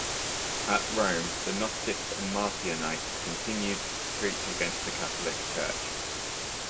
At Rome, the Gnostics and Marcionites continued to preach against the Catholic Church.